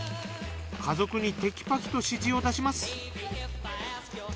家族にテキパキと指示を出します。